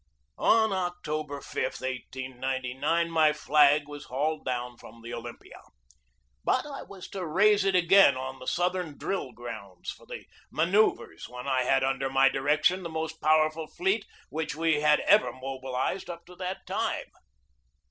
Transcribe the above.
On October 5, 1899, my flag was hauled down from the Olympia ; but I was to raise it again on the Southern drill grounds for the manoeuvres, when I had under my direction the most powerful fleet which we had ever mobilized up to that time.